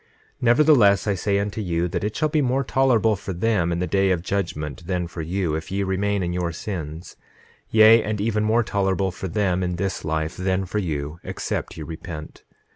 9:15 Nevertheless I say unto you, that it shall be more tolerable for them in the day of judgment than for you, if ye remain in your sins, yea, and even more tolerable for them in this life than for you, except ye repent.